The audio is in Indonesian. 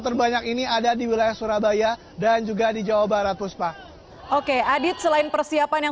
terbanyak ini ada di wilayah surabaya dan juga di jawa barat puspa oke adit selain persiapan yang